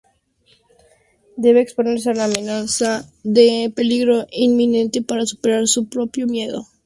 Debe exponerse a la amenaza de peligro inminente para superar su propio miedo.